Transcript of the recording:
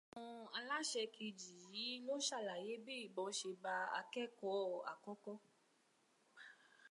Àwọn aláṣẹ kejì yìí ló ṣàlàyé bí ìbọn ṣe bá akẹ́kọ̀ọ́ àkọ́kọ́